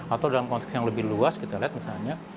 atau dalam konteks yang lebih luas kita lihat misalnya